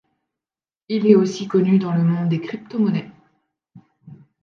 Il est aussi connu dans le monde des crypto monnaies.